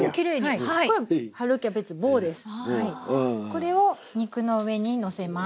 これを肉の上にのせます。